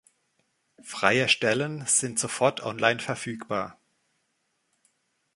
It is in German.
Freie Stellen sind sofort online verfügbar.